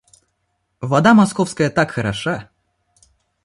Вода московская так хороша.